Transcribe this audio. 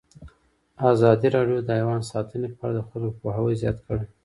ازادي راډیو د حیوان ساتنه په اړه د خلکو پوهاوی زیات کړی.